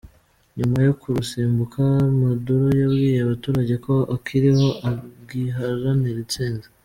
Nyuma yo kurusimbuka, Maduro yabwiye abaturage ko akiriho agiharanira intsinzi.